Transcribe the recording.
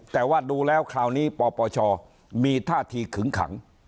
แต่ว่าดูแล้วคราวนี้ปปชมีท่าทีขึงขัง